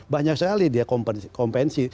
banyak sekali dia kompensi